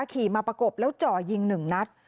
ขี่มาประกบแล้วจ่อยิงหนึ่งนัด